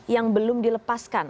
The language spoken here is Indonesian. yang belum dilepaskan